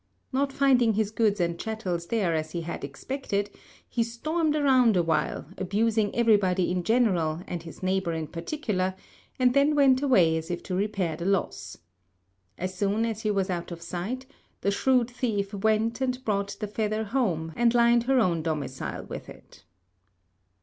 Not finding his goods and chattels there as he had expected, he stormed around awhile, abusing everybody in general and his neighbor in particular, and then went away as if to repair the loss. As soon as he was out of sight, the shrewd thief went and brought the feather home and lined her own domicile with it....